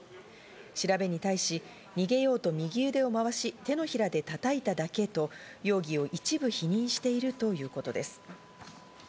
調べに対し逃げようと右腕をまわし、手のひらで叩いただけだと、容疑を一部否認しているということです。